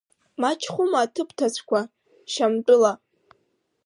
Мачхәума аҭыԥ ҭацәқәа, Шьамтәыла…